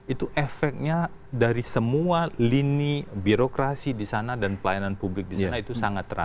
itu efeknya dari semua lini birokrasi di sana dan pelayanan publik di sana itu sangat terasa